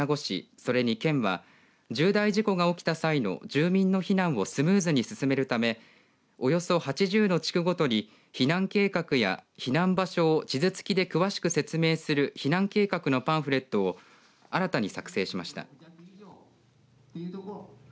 それに県は重大事故が起きた際の住民の避難をスムーズに進めるためおよそ８０の地区ごとに避難計画や避難場所を地図付きで詳しく説明する避難計画のパンフレットを新たに作成しました。